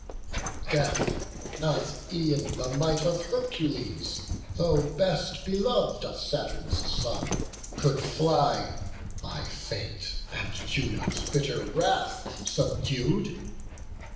From death not e'en the might of Hercules, Though best belov'd of Saturn's son, could fly, By fate and Juno's bitter wrath subdued.